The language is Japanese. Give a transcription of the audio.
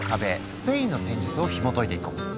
スペインの戦術をひもといていこう。